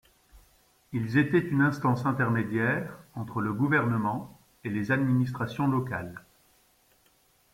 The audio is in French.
Ils étaient une instance intermédiaire entre le gouvernement et les administrations locales.